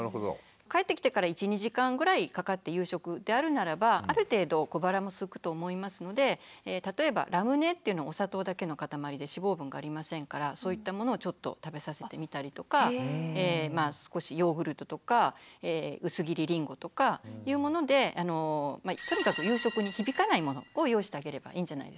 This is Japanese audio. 帰ってきてから１２時間ぐらいかかって夕食であるならばある程度小腹もすくと思いますので例えばラムネっていうのはお砂糖だけの塊で脂肪分がありませんからそういったものをちょっと食べさせてみたりとか少しヨーグルトとか薄切りりんごとかいうものでとにかく夕食に響かないものを用意してあげればいいんじゃないですかね。